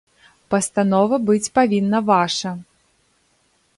Пастанова быць павінна ваша!